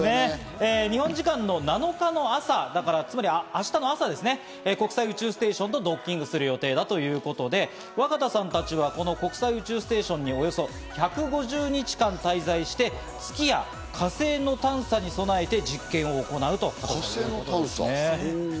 日本時間の７日の朝、ですから明日ですね、国際宇宙ステーションとドッキングする予定ということで、若田さんたちは国際宇宙ステーションにおよそ１５０日間滞在して月や火星の探査に備えて実験を行うということです。